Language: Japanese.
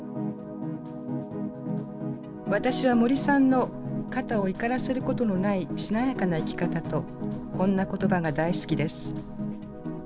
私は森さんの肩を怒らせることのないしなやかな生き方とこんな言葉が大好きです。